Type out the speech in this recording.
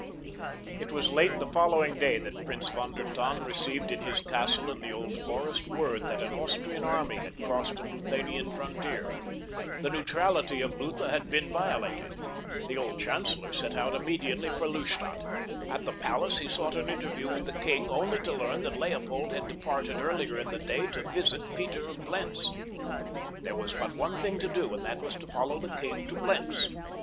It was late the following day that Prince von der Tann received in his castle in the Old Forest word that an Austrian army had crossed the Luthanian frontier—the neutrality of Lutha had been violated. The old chancellor set out immediately for Lustadt. At the palace he sought an interview with the king only to learn that Leopold had departed earlier in the day to visit Peter of Blentz. There was but one thing to do and that was to follow the king to Blentz.